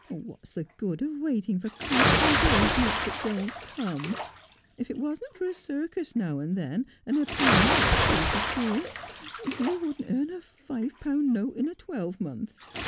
What's the good of waiting for concert engagements that don't come ? If it wasn't for a circus now and then, and a piano or two to tune, you wouldn't earn a five pound note in a twelvemonth.